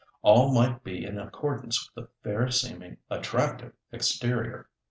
All might be in accordance with the fair seeming, attractive exterior.